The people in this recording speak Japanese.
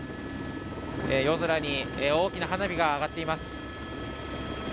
夜空に大きな花火が上がっています。